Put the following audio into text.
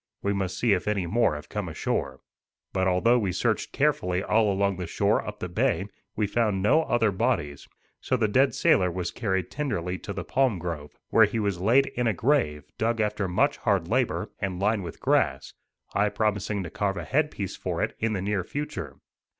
We must see if any more have come ashore." But although we searched carefully all along the shore up the bay, we found no other bodies. So the dead sailor was carried tenderly to the palm grove, where he was laid in a grave, dug after much hard labor, and lined with grass; I promising to carve a head piece for it, in the near future.